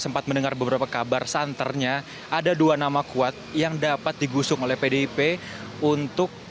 sempat mendengar beberapa kabar santernya ada dua nama kuat yang dapat digusung oleh pdip untuk